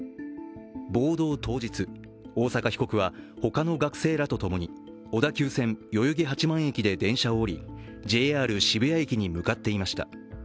暴動当日、大坂被告は他の学生らとともに小田急線・代々木八幡駅で電車を降りＪＲ渋谷駅に向かっていました。